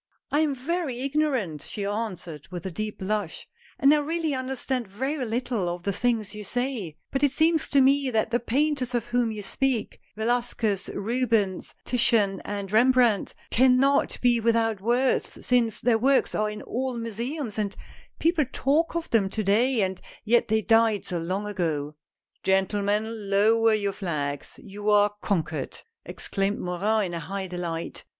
"I am very ignorant," she answered with a deep blush, "and I really understand very little of the things you say, but it seems to me that the painters of whom you speak — Velasquez, Rubens, Titian and Rembrandt cannot be without worth, since their works are in all museums, and people talk of them to day, and yet they died so long ago." " Gentlemen, lower your fiags — you are conquered !" exclaimed Morin in high delight.